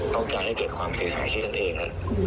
ต้องการให้เกิดความเสียหายข้างเองครับ